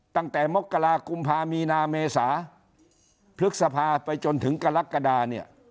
ตั้งแต่มกรากุมภามีนาเมษาพฤษภาไปจนถึงกรกฎาเนี่ย